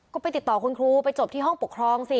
ก็ไปติดต่อคุณครูไปจบที่ห้องปกครองสิ